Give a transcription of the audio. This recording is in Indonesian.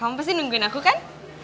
kamu pasti nungguin aku kan